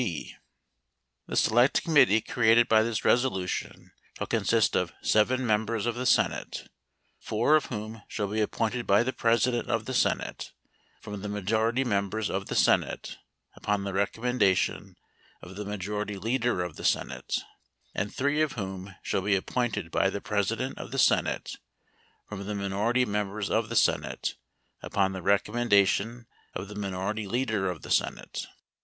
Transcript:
11 (b) The select committee created by this resolution shall 12 consist of five seven Members of the Senate, three four of 13 whom shall be appointed by the President of the Senate 14 from the majority Members of the Senate upon the recom 15 mendation of the majority leader of the Senate, and two 1® three of whom shall be appointed by the President of the 1^ Senate from the minority Members of the Senate upon the l g recommendation of the minority leader of the Senate.